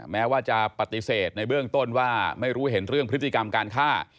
แม้ว่าจะปฏิเสธในเบื้องต้นว่าไม่รู้เห็นเรื่องพฤติกรรมการฆ่า